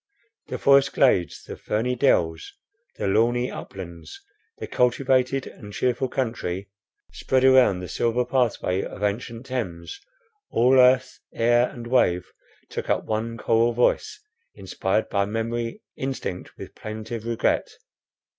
The forest glades, the ferny dells, and lawny uplands, the cultivated and cheerful country spread around the silver pathway of ancient Thames, all earth, air, and wave, took up one choral voice, inspired by memory, instinct with plaintive regret.